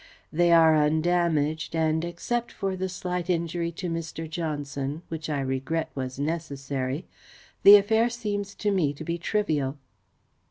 They are undamaged and, except for the slight injury to Mr. Johnson, which I regret was necessary, the affair seems to me to be trivial."